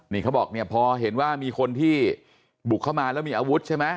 นี่เขาบอกเนี่ยพอเห็นว่ามีคนที่บุกเข้ามาแล้วมีอาวุธใช่ไหม